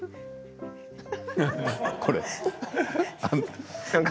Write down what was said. これ。